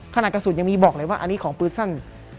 ขนาดกระสุนยังมีบอกเลยว่าอันนี้ของปืนสั้น